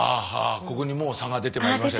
ここにもう差が出てまいりましたね。